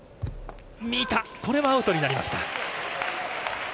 見た、これはアウトになりました。